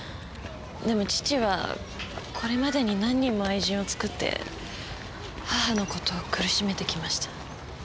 でも父はこれまでに何人も愛人を作って母の事を苦しめてきました。